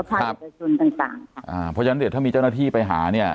เพราะฉะนั้นอ่ะเนี่ยถ้ามีเจ้าหน้าที่ไปหาเนี่ย